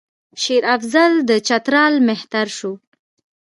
شېر افضل د چترال مهتر شو.